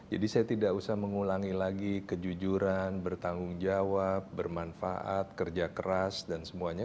jadi saya tidak usah mengulangi lagi kejujuran bertanggung jawab bermanfaat kerja keras dan semua lainnya